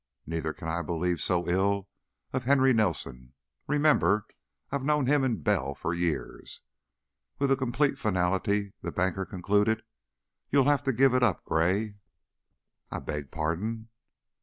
Neither can I believe so ill of Henry Nelson. Remember, I've known him and Bell for years." With a complete finality the banker concluded, "You'll have to give it up, Gray." "I beg pardon?"